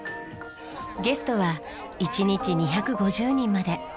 ゲストは１日２５０人まで。